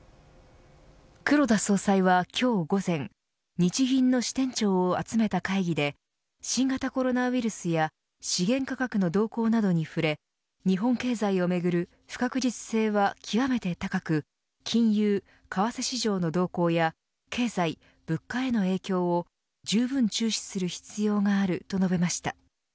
黒田総裁は今日午前日銀の支店長を集めた会議で新型コロナウイルスや資源価格の動向などに触れ日本経済をめぐる不確実性は極めて高く金融・為替市場の動向や経済・物価への影響をじゅうぶん注視する必要があると述べました。